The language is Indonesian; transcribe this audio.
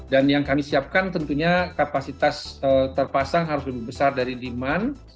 dan yang kami siapkan tentunya kapasitas terpasang harus lebih besar dari demand